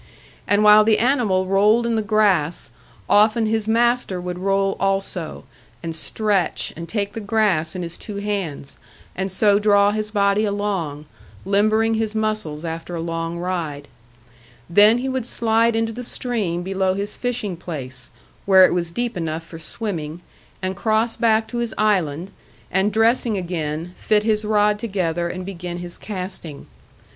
And while the animal rolled in the grass, often his master would roll also, and stretch, and take the grass in his two hands, and so draw his body along, limbering his muscles after a long ride. Then he would slide into the stream below his fishing place, where it was deep enough for swimming, and cross back to his island, and dressing again, fit his rod together and begin his casting.